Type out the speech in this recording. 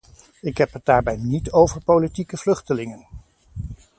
Ik heb het daarbij niet over politieke vluchtelingen.